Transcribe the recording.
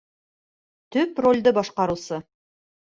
Төп ролде башҡарыусы